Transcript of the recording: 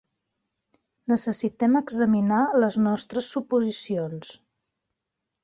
Necessitem examinar les nostres suposicions.